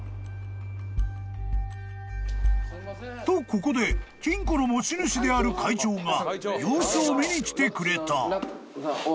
［とここで金庫の持ち主である会長が様子を見に来てくれた］